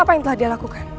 apa yang telah dia lakukan